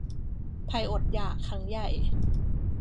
ภัยอดอยาก ครั้งใหญ่